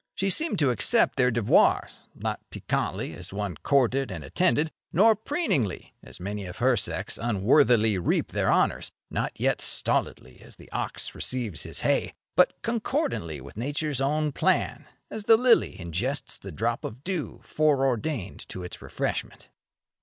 She seemed to accept their devoirs—not piquantly, as one courted and attended; nor preeningly, as many of her sex unworthily reap their honours; not yet stolidly, as the ox receives his hay; but concordantly with nature's own plan—as the lily ingests the drop of dew foreordained to its refreshment.